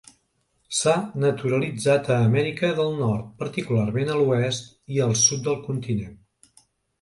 S'ha naturalitzat a Amèrica del Nord, particularment a l'oest i el sud del continent.